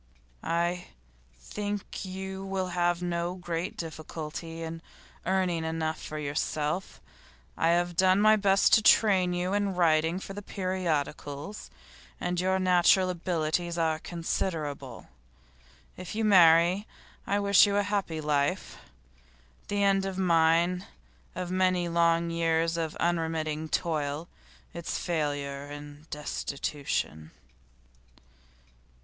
'I think you will have no great difficulty in earning enough for yourself. I have done my best to train you in writing for the periodicals, and your natural abilities are considerable. If you marry, I wish you a happy life. The end of mine, of many long years of unremitting toil, is failure and destitution.